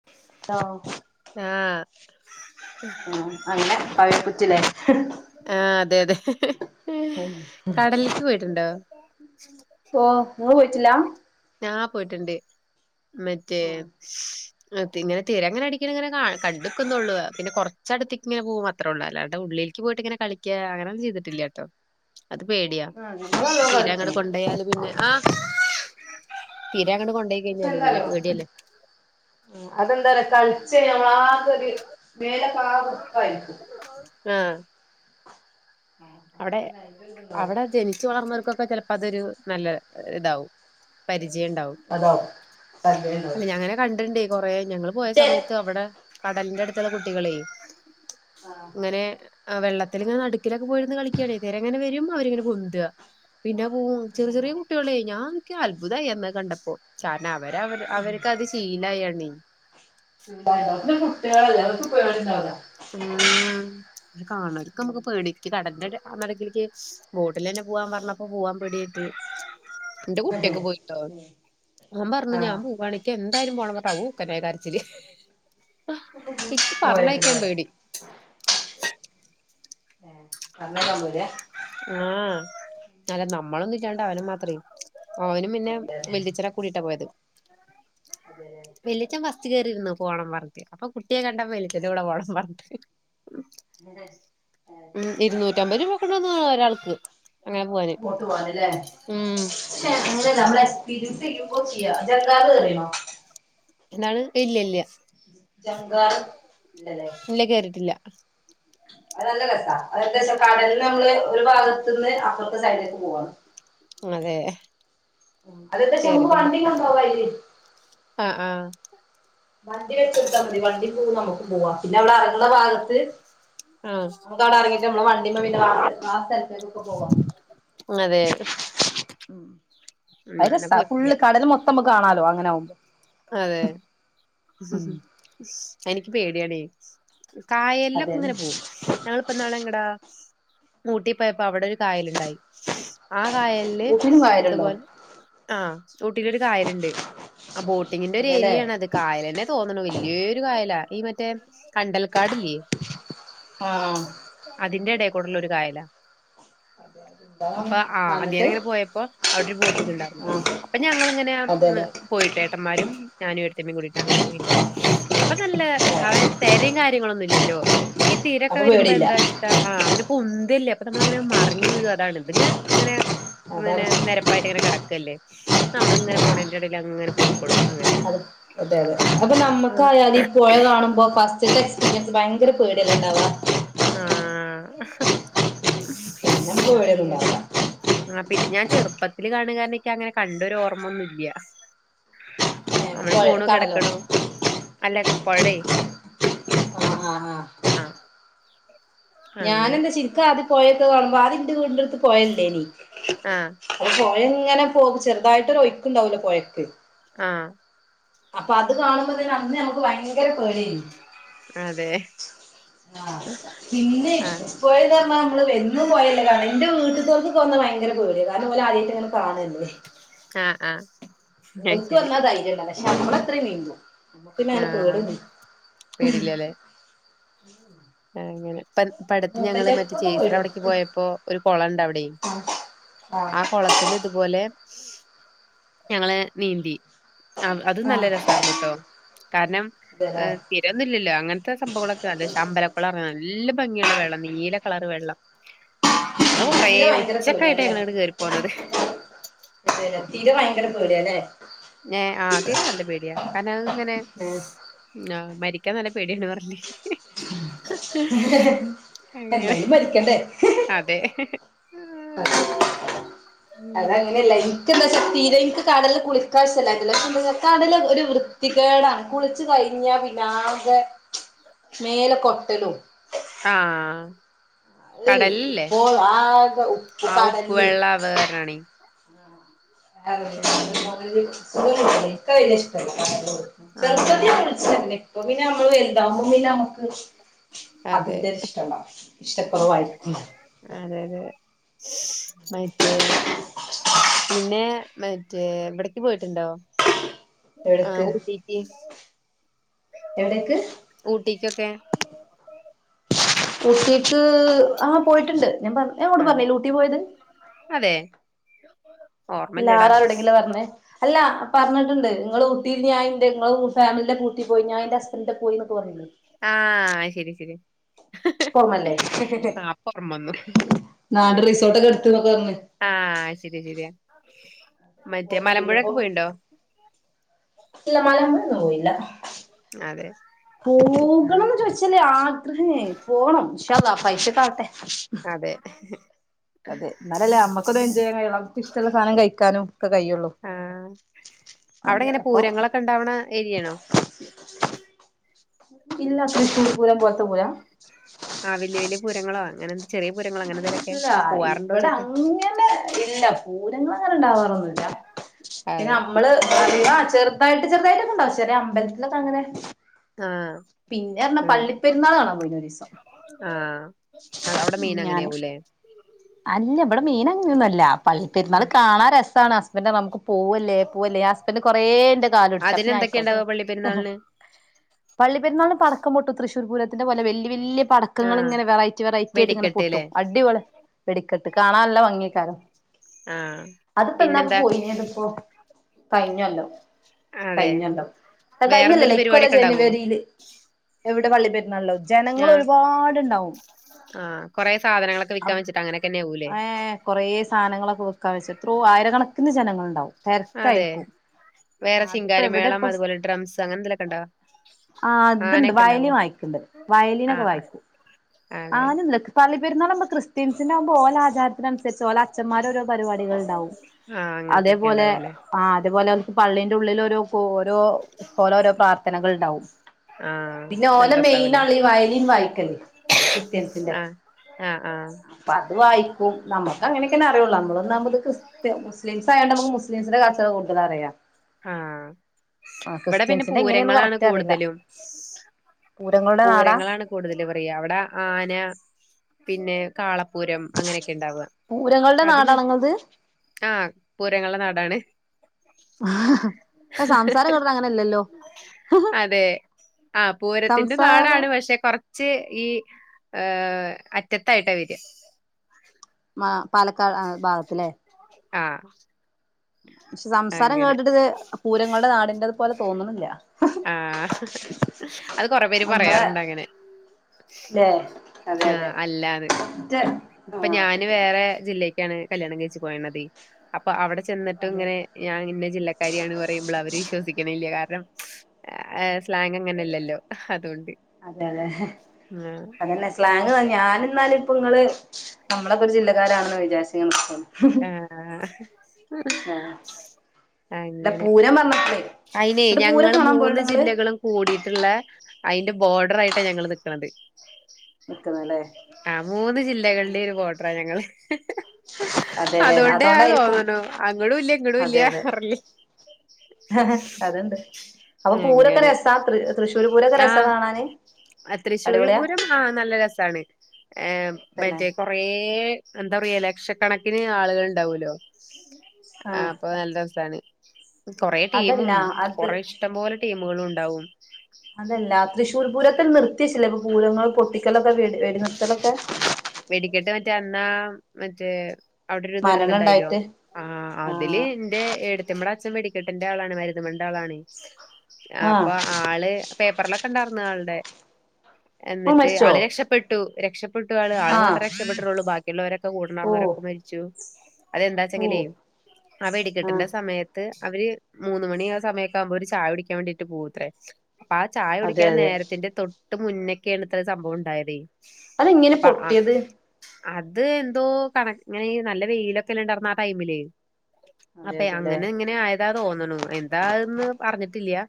[unintelligible] ആ ആ അങ്ങനെ പവിഴപുറ്റ്ല്ലേ. ആഹ് അതെ അതെ കടലിക്ക് പോയിട്ടുണ്ടോ ഓ ങ്ങള് പോയിട്ടില്ല? ഞാൻ പോയ്ട്ട്ണ്ട്. മെറ്റേ ഇങ്ങനെ തിരങ്ങനെടിക്കണ കണ്ട്ക്ക്ന്നുള്ളൂ പിന്നെ കൊറച്ചടുത്തേക്കിങ്ങനെ പോകും അത്രേള്ളൂ അല്ലാണ്ട് ഉള്ളിൽക്ക് പോയിട്ടിങ്ങനെ കളിക്ക അങ്ങനൊന്നും ചെയ്തിട്ടില്ലട്ടോ. അത് പേടിയാ ഞമ്മള് നല്ലോം തിരങ്ങട് കളിച്ച്ണ് കൊണ്ടോയാല് പിന്നെ തിര അങ്ങട് കൊണ്ടോയി ഇപ്പൊ കഴിഞ്ഞാല് പിന്നെ എന്താറിയോ പേടിയല്ലേ അതെന്താറിയോ കളിച്ച് ഞമ്മള് ആകൊരു മേലോക്കാകെ പ്പായിരിക്കും. ആ അപ്പൊ പിന്നെ അയിന്റെ ഒരിത്ണ്ടാവും അവടെ ജനിച്ചു വളർന്നവർക്കൊ ചെലപ്പ അതൊരു നല്ല ഇതാവും പരി ജിണ്ടാവും അതാവും തല്ലേണ്ടാവും അല്ല ഞാങ്ങനെ കണ്ടിണ്ടെ. കുറേ ഞങ്ങള് പോയ ഛെ സമയത്ത് അവിടെ കടലിന്റെ അടു ചെല കുട്ടികളേ ആഹ് അങ്ങനെ ആ വെള്ളത്തിലിങ്ങനെ നടുക്കിലൊക്കെ പോയിര് കളിക്കാണെ അവര് എങ്ങനെ വരും അവരിങ്ങനെ പൊന്തുവ. പിന്നെ [unintelligible] ചെറിയ ചെറിയ കുട്ടികളെ ഞാൻ അത്ഭുതമായി അന്നത് കണ്ടപ്പോൾ അവർക്ക് അവര്ക്കത് ശീലായൊണ്ടേ. ചൂടായിണ്ടാവും [unintelligible] ഉം കാണോർക്ക് പേടിക്ക് [unintelligible] നട്ക്കിലേക്ക് വോട്ടിലന്നെ പൂവാൻ പറഞ്ഞപ്പോ പൂവാൻ പേടിയായിട്ട് എന്റെ കുട്ടിയൊക്കെ പോയിട്ടോ അവൻ പറഞ്ഞു ആഹ് ഞാപോവാണ്‌ എനിക്കെന്തായാലും പോണം പറഞ്ഞിട്ട് [unintelligible] കര [unintelligible] [inaudible] [inaudible] [inaudible] ആ അല്ല നമ്മളൊന്നു ഇല്ലാ ണ്ടവനെ മാത്രേ. ഓനും പിന്നെ അതെല്ലേ വെല്ലിച്ചനൊക്ക കൂടിട്ടാ പോയത്. അതെല്ലേ വെല്ല്യച്ചൻ വസ് റ്റ് കേറിരുന്നു പോണം പറഞ്ഞിട്ട് അപ്പ കുട്ട് എേ കണ്ടാ വെല്ലിച്ചന്റെ കൂടെ പോണന്ന് പറഞ്ഞിട്ട് ഏഹ് ഉം ഇരുന്നൂറ്റമ്പത് രൂവ ഒരാൾക്ക് ബോട്ട് പോവന് ല്ലേ ഉം നമ്മടെ [unintelligible] വിഡിയോസ് ചെയ്യുമ്പോ ചെയ്യ ജംഗാറ് കേറിണോ എന്താണ് ഇല്ല്യ ഇല്ല്യ ജംഗാർ ഇല്ലല്ലേ അ അത് നല്ല രസാ ഏകദേശം കടൽന്ന് നമ്മള് ഒരു ഭാഗത്ത്ന്ന് അപ്പുറ ഒരു സൈഡിലേക്ക് പോവാ അതെ അത് എന്താചാ നമുക്ക് വണ്ടി കൊണ്ട് പോവാ അതിലെ ആ ആ വണ്ടി വെച്ച വണ്ടി പോവു നമുക്കും പോവാ അവിടെ ഇറങ്ങണ ഭാഗത്ത് ആഹ് നമ്മക്ക് അവിടെ എറങ്ങിട്ട് നമ്മടെ വണ്ടീമേ ആ സ്ഥലത്തേക്കൊക്കെ പോവാം അതെ ഉം അത് അങ്ങനെ രസ്സ പോയിട്ടില്ല ഫുള്ള് കടല് മൊത്തം നമ്മ കാണാലോ അങ്ങനവുബോ അതെ ഹും ഉം ഹും എനിക്ക് പേടിയാണേടി കായലിലൊക്കെ അതെന്നെ ഇങ്ങനെ പോകും ഞങ്ങളെപ്പോ ഇന്നാള് എങ്ങോട്ടാ ഊട്ടി പോയപ്പോ അവിടെ ഒരു കായൽ ഇണ്ടായി ആ കായല്ല് ഊട്ടിലും ഇത് കായലുണ്ടോ തെങ്ങിന്റെ ഒരു അതെല്ലേ ഏരിയെണത് ഇ മറ്റേ കണ്ടാൽ കാ ആഹ് അതിന്റെ എടെ ഇവിടുള്ളൊരു കായലാ എന്താ അപ്പൊ ആ വന്നിട്ട് അദിയാനിങ്ങനെ ആ പോയപ്പോ അവിടെ ഒരു ബോട്ടിണ്ടായിരുന്നു എന്നിട്ട് ആഹ് രും അതെല്ലേ ഞാനും ഏട്ടത്തിയമ്മയും കൂടി അങ്ങനെ പോയിണ്ടായി നല്ല അ തിരയും കാര്യങ്ങളൊന്നുംല്ലല്ലോ ഈ തീരൊക്കെ അപ്പൊ വരുമ്പോ പേടില്ല എന്താ വച്ചിട്ടാ ആഹ് അങ്ങനെ പൊന്തില്ലേ അപ്പൊ നമ്മളങ്ങനെ മറിഞ്ഞ് വീഴു അതാണ് ഇത് ഇങ്ങനെ അതാണ് ഇങ്ങനെ നിരപ്പായിട്ട് ഇങ്ങനെ കിടക്കല്ലേ ആ നമ്മളിങ്ങനെ പോണേന്റെറടയിലങ്ങനെ പോകും അതെ അതെ അതെ അപ്പൊ ആ നമ്മക്കായലും പേടില്ലണ്ടവാ ആഹ് പിന്നെ നമുക്ക് ഹ്ഹ പേടിയൊന്നും ഉണ്ടാവില്ല അങ്ങനെ ചെറുപ്പത്തില് കാണുകാരക്ക് അങ്ങനെ കണ്ടൊരു ഓർമ്മൊന്നുംല്ല നമ്മള് പുഴ പോണു കടലോ കിടക്കണു അല്ല ആ അങ്ങനെ ഞാനന്താ ചിരിക്ക ആദ്യ പോഴക്ക കാണുമ്പോ ആദ്യ ണ്ടെടുത്ത് പോകേണ്ടേയനി ആഹ് പുഴ ഇങ്ങനെ പോകും ചെറുതായിട്ട് ഒയ്ക്കുണ്ടാവില്ലേ പുഴക്ക് ആഹ് ആഹ് അപ്പൊ നമക്ക് ഭയങ്കര പേടിആയിന് അതെ പിന്നെ ആഹ് ഇപ്പന്ന് പറഞ്ഞ നമ്മള് വന്ന് പോയല്ലേ കാണ എന്റെ വീട്ട്തോർക്ക് പോന്ന ഭയങ്കര [unintelligible] അതുപോലെ ആദ്യമായിട്ട് ഇങ്ങനെ കാണല്ലേ ആഹ് ആ ക്ക് വന്നാ ധൈര്യണ്ടാവില്ല നമ്മളത്രയും നീന്തും നമ്മക്കന്നങ്ങനെ ആഹ് പേടന്നുമില്ല ഹ്ഹ പേടില്ലല്ലേ [unintelligible] അങ്ങനെ പടത്ത് ഞങ്ങള് മറ്റേ പേടിയാ ചേച്ചിടവിടേക്ക് പോയപ്പോ ഒരു കുളണ്ടവിടെയും ആഹ് ആ കുളത്തില് ഇതുപോലെ ഞങ്ങള് നീന്തി ആ അതും നല്ല ആഹ് രസാർന്നുട്ടോ കാരണം അതെല്ലേ സ്ഥിരൊന്നുല്ല്യല്ലോ അങ്ങനത്തെ സംഭവങ്ങളൊക്കെ നല്ല ഇഷ അമ്പലം നല്ല ഭംഗിയുള്ള വെള്ളം നീല കളർ വെള്ളം അത് കൊറേ തിര ഭയങ്കര ഉച്ചക്കായിട്ട് പേടിയാല്ലേ ഞങ്ങളങ്ങട് കേറി പോന്നത് തിര ഭയങ്കര പേടിയാല്ലേ നേ ആ തിര നല്ല പേടിയാ കാരണം ഞങ്ങക്ക്ങ്ങനെ ഏഹ് മരി ക്കാ നല്ല പേടിയാന്നാ പറഞ്ഞ് അങ്ങനെ എന്നാലും മരിക്കണ്ടേ അതെ [unintelligible] അത് അങ്ങനെയല്ല ഇക്ക് എന്താച്ചാ തിരിം ഇക്ക് കടല് ല് കുളിക്കാൻ ഇഷ്ടല്ലായിട്ടല്ല കടല് ഒര് വൃത്തികേടാ കുളിച്ച് കഴിഞ്ഞാ പിന്നാകെ മേലൊക്കെ ഒട്ടലും ആ അഅ് ഇപ്പോൾ ആകെ ഉപ്പ് ആ കടൽ ഉപ്പ് ലെയ് വെള്ളം അത് കാരണാണേ അങ്ങനെ [unintelligible] ഇക്ക് അഅ് വല്യ ഇഷ്ടല്ല ആഹ് [unintelligible] ഇപ്പ പിന്നെ വലുതാവുമ്പൊ പിന്നെ അമുക്ക് അതെ അതിന്റെ ഒര് ഇഷ്ടണ്ട ഇഷ്ടക്കൊറവായിരിക്കും അതെ അതെ മറ്റേ പിന്നെ മറ്റേ ഇവടക്ക് പോയിട്ട്ണ്ടോ ആ ഊട്ടീക്ക് എവടേക്ക് ക്ക്യൊക്കെ ഊട്ടീക്ക് ആ പോയിട്ട്ണ്ട് ഞാൻ പറഞ്ഞ് ഞാ ഇങ്ങോട് ആ പറഞ്ഞിലേ ഊട്ടി പോയത് അതെ ഇല്ല ആ ഓർമ്മല്ലടാ റെവിടെങ്കില്വാ പറഞ്ഞ് അല്ല പറഞ്ഞിട്ട് ഇണ്ട് ഇങ്ങള് ഊട്ടി [unintelligible] ഞാ ഇണ്ട് ഇങ്ങളു ഫാമി ലെ കൂട്ടി പോയി ഞാൻ ഇൻ്റെ ഹസ്ബൻഡ് [unintelligible] പോയിന്നൊക്കെ പറഞ്ഞിലേ ആ ശരി ശരി ഇപ്പോർമല്ലേ ആ അപ്പൊ ഓർമ്മ വന്നു ന്നാ ആടെ റിസോർട്ടൊക്കെ ഇടുത്തു ന്നൊക്കെ പറഞ്ഞ് ആ ശരി ശരിയാ മറ്റേ ഓർമ്മ കിട്ടിയില്ല ഇപ്പൊ മലമ്പുഴൊക്കെ പോയിണ്ടോ ഇല്ല മലമ്പുഴെന്നും പോയില്ലാ അതെ ആ പോകണം ന്ന് ചോയ്ച്ചാലേ ആഗ്രഹേ പോവണം ഇൻഷാ അള്ളാ പൈസയെക്കെ ആവട്ടേ അതെ അതെ ഇന്നാലല്ലേ അമ്മക്കൊന്ന് എൻജോയ് ചെയ്യാൻ കയ്യൊള്ളൂ [unintelligible] ക്കിഷ്ടെള്ള സാനം കയ്ക്കാനും ആാ അവടെ അതെ എങ്ങനെ അപ്പൊ പൂരങ്ങളൊക്കെ ഒണ്ടാവണ ഏരിയണോ ഇല്ല തൃശ്ശൂപുരം പോലെത്താ പൂരാം ആ വല്യാ വല്യാ പുരങ്ങളോ അങ്ങനെന്തെ ഇല്ല ഇവടെ ചോയ്ക്കാ അങ്ങനെ ഇല്ല പൂരങ്ങളങ്ങനെ ഒണ്ടാവാറൊന്നുന്നില്ലാ പിന്നെ അതെ നമ്മള് [unintelligible] ചെറ്തായിട്ട് ചെറുതായിട്ടെക്കെണ്ട ചെല അമ്പലത്തിലൊക്കെങ്ങനെ ആ പിന്നേ പറഞ്ഞ ആ പള്ളി പെര്ന്നാൾ കാണാൻ പോയീന്നു ഒരീസം ആ അത് അവിടെ ഉം മെയിൻ ഞാന് അങ്ങനെയാവൂലേ അല്ല ഇവടെ മെയിനങ്ങനൊന്നുല്ല ല്ല പള്ളിപെർന്നാൾ കാണാൻ രസാണ് പിന്നെ നമുക്ക് പോവല്ലേ പോവല്ലേ ഹസ്ബന്റ് കൊറേന്റെ കാലുട്ച്ച അപ്പൊ ഞാ ഐകോട്ടെ അതിനെന്തൊക്കെയുണ്ടാവ പറീം പള്ളി ഇഹ് പെരുന്നാളിന് പള്ളി പെർനാൾന് പടക്കം പൊട്ടും തൃശ്ശൂർ പൂരത്തിന്റെ പോലെ വെല്യേ വെല്യേ ആഹ് പടക്കങ്ങളിങ്ങനെ വെറൈ റ്റി വെറൈറ്റിയായിട്ട്ങ്ങനെ വെടിക്കെട്ട്ല്ലേ പൊട്ടും അടിപൊളിയ വെടി ക്കെട്ട് കാണാൻല്ല ഭംഗിയെകാരം ആഹ് അത് പ്പെന്നാപ്പൊ പിന്നെന്താ പോടീഞ്ഞത്പ്പൊ കഴിഞ്ഞൊല്ലം അതെ കഴ്ഞ്ഞൊല്ലം ക കൈഞ്ഞൊല്ലല്ല വേറെന്തേലും ഇക്കൊല്ലം പരിപാടിയൊക്കെ ഉണ്ടാവോ ജനുവരില് എവി ടെ പള്ളിപെരുന്നാള്ള് ജനങ്ങളൊരുപാടുണ്ടാവും ആ കൊറേ സാധനങ്ങളൊക്കെ വിക്കാൻ വെച്ച്ട്ട് അങ്ങനെക്കെ ങേ കൊറേ സാനങ്ങളൊക്കെ വിക്കാൻ വെച്ച് ത്രോ ആയിരകണക്കിന് ജനങ്ങള്ണ്ടാവും അതെ തെരക്കായിരിക്കും ആ വേറെ അത്പ്പോ ചിങ്കാരിമേളം എവടെപ്പൊ സ് അതുപോലെ ഡ്രംസ് അങ്ങനെന്തേലൊക്കെ ഉണ്ടോ ആ അത്ണ്ട് ആനൊക്കെ ഉണ്ടാവോ വയലിൻ വായിക്ണ്ട് വയലിനൊക്കെ ആഹ് വായിക്കു ആഹ് അതെ ആനെന്നുല്ല ലക് പാർലി പെരുന്നാളാവുമ്പക് ക്രിസ്ത്യൻസിനാവുമ്പോ ഓലാജാരത്തിനൻസർച്ച് ഓലച്ചന്മാരോരോ പരിവാടികൾ ണ്ടാവും ആഹ് അങ്ങനത്തൊക്കെ അതേപോലെ ഉണ്ടാവല്ലേ ആ അതേപോലോൽക്ക്‌ പള്ളി ന്റെ ഉള്ളിലോരോ ഹോൾ ആഹ് പിന്നെ നല്ല ഓലെ രസാവുംല്ലേ മെയിനാണല്ലോ ഈ വയലിൻ വായിക്കല് ക്രിസ്ത്യൻസിന്റെ അത് വായിക്കും നമ്മക്ക് അങ്ങനെക്കെല്ലെ അരിയൊള്ളു നമ്മളൊന്നാമത് ക്രിസ്ത്യ മുസ്ലിംസ് ആയോണ്ട് നമ്മക് മുസ് ലിംസിന്റെ കാ [unintelligible] കൂടുതലറിയ ആ ഇവടെ പിന്നെ ക്രിസ്ത്യൻസിന്റെ എങ്ങനെയെന്ന് പൂരങ്ങളാണ് കറക്റ്റ് അറിയില്ല കൂടുതലും പൂരങ്ങളുടെ നാടാ പൂരങ്ങളാണ് കൂടുതല് പറയാ ടെ ആന പിന്നേ കാള പൂരം അങ്ങനെക്കെ ണ്ടാവാ പൂരങ്ങളുടെ അതിന് നാടാണോ ഇങ്ങളത് ങാ പൂരങ്ങൾടെ നാടാണ് ഹ് ഹ് സംസാരം ഹ് കേട്ടിട്ട് അങ്ങനെയല്ലല്ലോ അതെ അ പൂരത്തിന്റെ സംസാരം നാടാണ് പഷേ കൊർച് ഈ ഏ അറ്റത്തായിട്ടി വെര ആ പാലക്കാട് ഭാഗത്തില്ലേ ആഹ് ഷേ സംസാരം അങ്ങനെ കേട്ടിട്ട് പൂരങ്ങൾടെ നാടിന്റെ പോലെ തോന്നുന്നില്ല ആഹ അത് കൊറെ പേര് നമ്മളെ പറയാറുണ്ട് അങ്ങനെ ല്ലേ അതെ ആഹ അതെ അല്ലാന്ന് മറ്റേ ഇപ്പൊ ആ ഞാന് വേറെ ജില്ല കണ് കല്യാണം കയിച്ച്പോന്നത് അപ്പോ--അവിടെ ചെന്നിട്ടും അതെ ഇങ്ങനെ ഞാൻ ഇന്നെ ജില്ലക്കാരിയാണ് പറയുമ്പോൾ അവര് വിശ്വസിക്കണില്ല കാരണം സ്ലാങ് അങ്ങനെല്ലല്ലോ അതുകൊണ്ട് അതെ അതെ ആഹ് അതന്നെ സ്ലാങ്തന്യാ ഞാനിന്നാലും ഇപ്പ ഇങ്ങള് നമ്മളക്കെ ഒരു ജില്ലകാരാണെന്ന് വിചാരിചേ ആ ആഹ് അല്ല അങ്ങനെ പൂരം പറഞ്ഞപ്പളേ അയിനെ ഇന്നട്ട് പൂരം ഞങ്ങള് കാണാൻ മൂന്ന് പോവല്ണ്ടോ ഇങ്ങള് ജില്ലകളും കൂടിട്ട് ളള അതിന്റെ ബോർഡർ ആയിട്ടാണ് ഞങ്ങള് നിക്കണത് നിക്ക്ന്നല്ലേ ആ മൂന്ന് ജില്ലകളുടെ ഒരു കോട്ടറാ ഞങ്ങള് അതെ അതെ അതുകൊണ്ടാ അതോണ്ടായിരിക്കും തോന്നണു അങ്ങടും ഇല്ല ഇങ്ങടും അതെ ഇല്ല അതെ അറല്ലേ ഉ [inaudible] അത്ണ്ട് അപ്പൊ പൂരൊക്കെ അങ്ങനെ രസാ തൃശ്ശൂർ പൂരൊക്കെ രസാ കാണാന് അ തൃശ്ശൂര് അടിപൊളിയാ പൂരം ആ നല്ല രസാണ് തന്നെ മറ്റേ കുറേ എന്താ പറയാ ലക്ഷക്കണക്കിന് ആളുകൾ ഉണ്ടാവ്വല്ലോ ആ ആഹ് അപ്പൊ നല്ല രസാണ് കുറേ അതല്ല ടീമും അത് കുറെ ഇഷ്ടം പോലെ ടീമുകളും ഉണ്ടാവും അതല്ല തൃശ്ശൂർ പൂരത്തിൽ നിർത്ത [unintelligible] പൂരങ്ങൾ പൊട്ടിക്കലൊക്കെ വേ വെടി നിർത്തലൊക്കെ എന്നാ മറ്റേ അവിടെ ഒരു ദുരന്തുണ്ടായില്ലോ മരണണ്ടായിട്ട് ആ അതില് ആഹ് എന്റെ ഏട്ത്തിമ്മേട അച്ഛൻ വെടി കിട്ടന്റെ ആളാണ് മരന്ന് മെന്റെ ആളാണ്. ആഹ് അപ്പൊ ആള് പേപ്പറിലൊക്കെ ഉണ്ടായിന്ന ആളുടെ ഓൻ എന്നിട്ട് മരിച്ചോ ആളി രക്ഷപ്പെട്ടു രക്ഷപ്പെട്ട ആള് ആൾ ആഹ് മാത്രമേ രക്ഷപ്പെട്ടിട്ടുള്ളൂ ബാക്കിയുള്ളവരൊക്കെ ഓ കൂടണാർന്നവരക്കെ മരിച്ചു. ഓ അതെന്താച്ചെങ്കില്യും അവ ആ വെടിക്കിട്ടിന്റെ സമയത്ത് അവര് മൂന്ന് മണി ആ സമയൊക്കെ ആകുമ്പോ ഒരു ചായ പിടിക്കാൻ വേണ്ടിട്ട് പോവൂത്രേ. അപ്പൊ ആ ചായ അതെ കുടിക്കാൻ അതെ നേരത്തിന്റെ തൊ ഇട്ട് മുന്നൊക്കെയാണ് ഇത്ത ഒരു സംഭവം ഉണ്ടായതെ. അതെങ്ങനെ പൊട്ടിയത്. അത് എന്തോ കണ ഇങ്ങനെ നല്ല വെയിലൊക്കെല്ലാം ഉണ്ടായിരന്ന ആ ടൈമില്. അതെ അപ്പേ അതെല്ലേ അങ്ങനെ ഇങ്ങനെ ആയതാ തോന്നണു എന്താന്ന് പറഞ്ഞിട്ടില്ലയ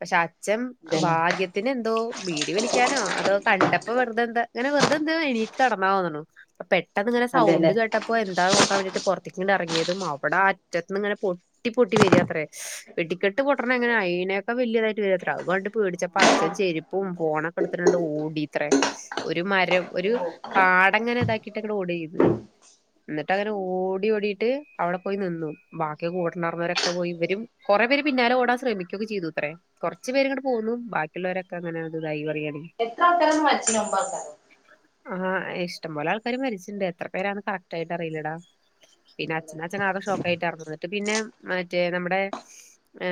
പക്ഷെ അച്ച്ൻ അതെല്ലേ ഭാഗ്യത്തിന് എന്തോ വീടി വലിക്കാനോ അതോ കണ്ടപ്പോ വെറുതെന്താ ഇങ്ങനെ വെറുതെന്താ എണീറ്റ് കടന്നാ തോന്നുണു. അ അതാ ഇങ്ങനെ സൗണ്ട് അതെല്ലേ കേട്ടപ്പോ എന്താ നോക്കാൻ വേണ്ടിട്ട് പുറത്തി അ ഇറങ്ങിയതും അവിടെ അറ്റത്ത്ന്ന് ഇങ്ങനെ പൊട്ടി പൊട്ടി വരിയാത്രേ, വെടിക്കെട്ട് പൊട്ടണ എങ്ങനെ അയിനൊക്കെ വലിയതായിട്ട് വരിയാത്ര അത്കണ്ട് പേടിച്ചപ്പ അച്ചൻ ചെരുപ്പും ഫോണൊക്കെ എടുത്തിട്ടുണ്ട് ഓടിത്രേ. ഒരു മരം ഒരു പാടങ്ങനെ ഇതാക്കിട്ട് ഇങ്ങടെ ഓടി ചെയ്ത് എന്നിട്ട് അങ്ങനെ ഓടി ഓടിയിട്ട് അവിടെ പോയി നിന്നു ബാക്കിയ കൂട്ടണർന്നവരൊക്കെ പോയി ഇവരും കുറേ പേര് പിന്നാലെ ഓടാൻ ശ്രമിക്കുകൊക്കെ ചെയ്തു അത്രേ കുറച്ചു പേര് ഇങ്ങട്ടെ പോകുന്നു ബാക്കിയുള്ളവരൊക്കെ അങ്ങനെ ഇതായി പറയാണ് എത്ര പക്കന്ന് വറ്റോ ഉക്ക ആഹ് ഇഷ്ടം പോലെ ആൾക്കാാര് മരിച്ചിട്ടുണ്ട് എത്ര പേരന്ന് കറക്റ്റ് ആയിട്ട് അറിയില്ലെടാ. പിന്നെ ആൾക്കാരോ അഛന അച്ഛന ആകെ ഷോക്ക ആയിട്ട് ഇറന്ന പിന്നെ മറ്റേ നമ്മുടെ ഹ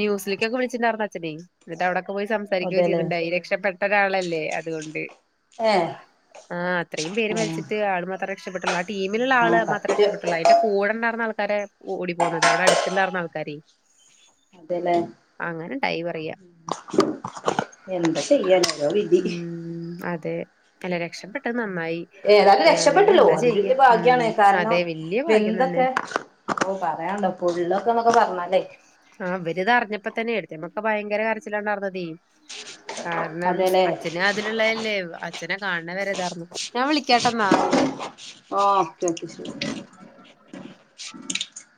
ന്യൂസിലേക്കൊക്കെ വിളിച്ചിണ്ടായിരുന്ന അച്ഛനേ എന്നിട്ട് അവിടെ പോയി സംസാരിക്കുകയോ അതെല്ലേ ചെയ്തുണ്ടായി രക്ഷപ്പെട്ടരാ ല്ലേ അതുകൊണ്ട് ഏ ആ അത്രയും പേര് മരിച്ചിട്ട് ആള് മാത്രേ രക്ഷപ്പെട്ടുള്ളൂ ആ ടീമിലുള്ള ആ ആള് മാത്രേ സത്യം രക്ഷപ്പെട്ടുള്ളൂ അതിന്റെ കൂടെ ഉണ്ടായിരുന്ന ആൾ ആക്ക ഓടി പോന്നുന്നത് അവിടെ അടുത്തല്ലായിർന്ന ആൾക്കാര അതല്ലേ എന്താ ചെയ്യാന ഉ അതെ നല്ല രക്ഷപ്പെട്ടത് നന്നായി ഏതായാലും ഏഹ് അല്ലെങ്കി രക്ഷപ്പെട്ടല്ലോ എന്താ അത് ചെയ്യാ വലിയ ഉം ഭാഗ്യാണ് കാരണം അതെ വല്യ ഭാഗ്യം തന്നെ എന്തൊക്കെ അപ്പ പറയണ്ട പൊള്ളൊക്കെ ആ വരുത അറിഞ്ഞപ്പോ തന്നെ എടു [unintelligible] മൊക്കെ ഭയങ്കര കരച്ചിലാർഞ്ഞതേ കാരണം അതെല്ലേ അച്ഛനും അതിലുള്ളെല്ലേ അച്ഛെനെ കാൺണവരേ ഇതറിഞ്ഞ ഓ [unintelligible]